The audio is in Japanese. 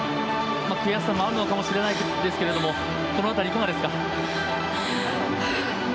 悔しさもあるのかもしれないですけどその辺りいかがですか？